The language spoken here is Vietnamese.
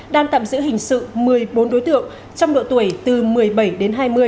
đang tạm giữ hình sự một mươi bốn đối tượng trong độ tuổi từ một mươi bảy đến hai mươi